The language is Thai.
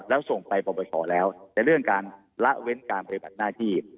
แล้วส่งไปปรบริษัทแล้วในเรื่องการละเว้นการพยาบาลหน้าที่